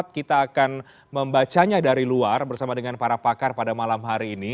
kita akan membacanya dari luar bersama dengan para pakar pada malam hari ini